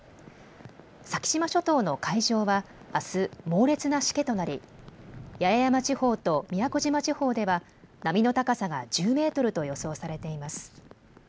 先島諸島の海上はあす猛烈なしけとなり八重山地方と宮古島地方では波の高さが１０メートルと予想されています。